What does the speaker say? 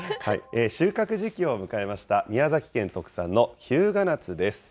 収穫時期を迎えました、宮崎県特産の日向夏です。